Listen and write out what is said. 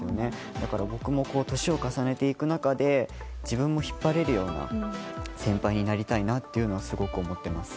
だから僕も年を重ねていく中で自分も引っ張れるような先輩になりたいなというのはすごく思っています。